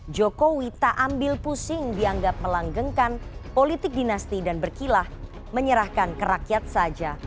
jokowi tak ambil pusing dianggap melanggengkan politik dinasti dan berkilah menyerahkan ke rakyat saja